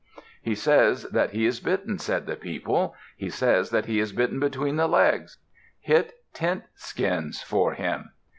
"He says that he is bitten," said the people. "He says that he is bitten between the legs. Hit tent skins for him."